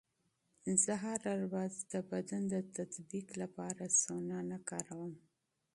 زه هره ورځ د بدن د تطبیق لپاره سونا نه کاروم.